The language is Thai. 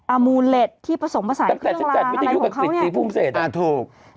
อามูรเรดที่ผสมมาใส่เครื่องรางอะไรของเขานี่